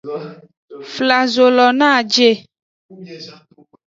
Fla ezo lo no a je.